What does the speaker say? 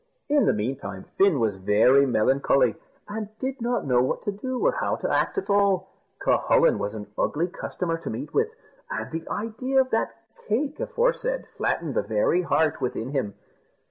In the meantime, Fin was very melancholy, and did not know what to do, or how to act at all. Cucullin was an ugly customer to meet with; and, the idea of the "cake" aforesaid flattened the very heart within him.